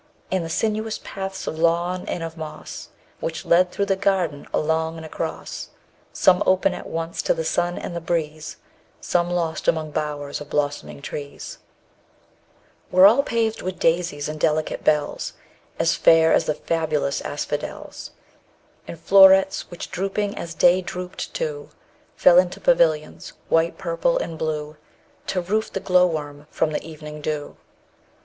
And the sinuous paths of lawn and of moss, Which led through the garden along and across, _50 Some open at once to the sun and the breeze, Some lost among bowers of blossoming trees, Were all paved with daisies and delicate bells As fair as the fabulous asphodels, And flow'rets which, drooping as day drooped too, _55 Fell into pavilions, white, purple, and blue, To roof the glow worm from the evening dew.